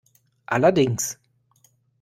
Allerdings.